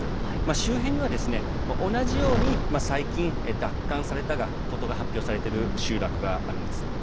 周辺には同じように最近奪還されたことが発表された集落があります。